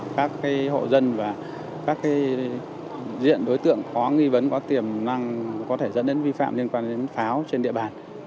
các hộ dân và các diện đối tượng có nghi vấn có tiềm năng có thể dẫn đến vi phạm liên quan đến pháo trên địa bàn